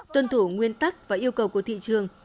tuân thủ nguyên tắc và yêu cầu của thị trường